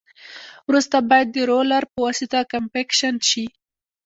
وروسته باید د رولر په واسطه کمپکشن شي